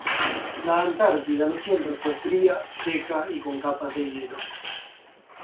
La Antártida no siempre fue fría, seca y con capas de hielo.